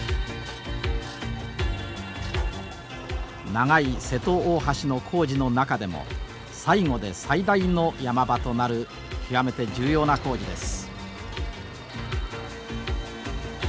長い瀬戸大橋の工事の中でも最後で最大の山場となる極めて重要な工事です。